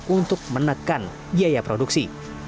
untuk menekan biaya produksi